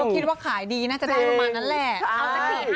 คิดว่าขายดีน่าจะได้ประมาณนั้นแหละ